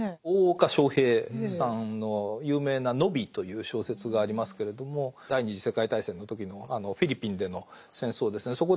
大岡昇平さんの有名な「野火」という小説がありますけれども第二次世界大戦の時のあのフィリピンでの戦争ですね